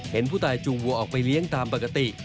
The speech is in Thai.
เห็นผู้ตายจูงวัวออกไปเลี้ยงตามปกติ